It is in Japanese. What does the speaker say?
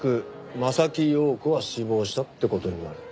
柾庸子は死亡したって事になるよな。